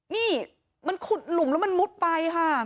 นี่มันขุดหลุมแล้วมันมุดไปค่ะ